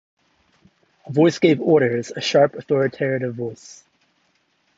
A voice gave orders, a sharp authoritative voice.